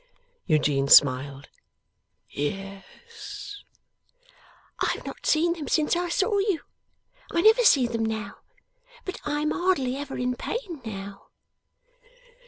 Eugene smiled, 'Yes.' 'I have not seen them since I saw you. I never see them now, but I am hardly ever in pain now.